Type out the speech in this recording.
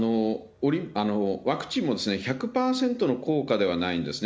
ワクチンも、１００％の効果ではないんですね。